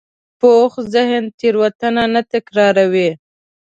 پوخ ذهن تېروتنه نه تکراروي